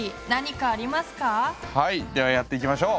はいではやっていきましょう。